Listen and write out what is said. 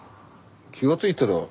気が付いたら。